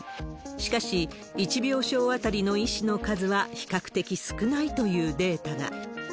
しかし、１病床当たりの医師の数は比較的少ないというデータが。